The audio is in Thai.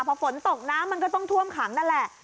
พอฝนตกน้ำมันก็ต้องท่วมขังนั่นแหละ